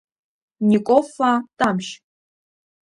Никоффа, Тамшь…